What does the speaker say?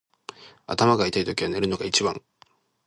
頭が痛いときは寝るのが一番。